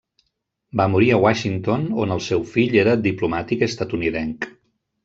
Va morir a Washington, on el seu fill era diplomàtic estatunidenc.